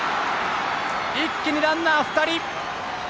一気にランナー２人。